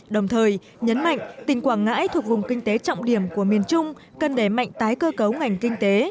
đồng thời nhấn mạnh tỉnh quảng ngãi thuộc vùng kinh tế trọng điểm của miền trung cần đẩy mạnh tái cơ cấu ngành kinh tế